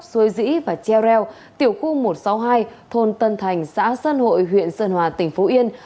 suối dĩ và treo reo tiểu khu một trăm sáu mươi hai thôn tân thành xã sơn hội huyện sơn hòa tỉnh phú yên